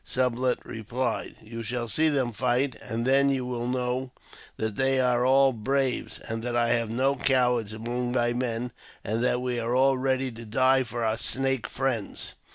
Sublet replied, " You shall see them fight, and then you will know that they are all braves — that I have no cowards among my men, and that we are all ready to die for our Snake friends."